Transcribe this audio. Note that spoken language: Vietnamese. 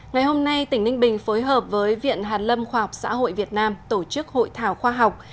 ngày hôm nay tỉnh ninh bình phối hợp với viện hàn lâm khoa học xã hội việt nam tổ chức hội thảo khoa học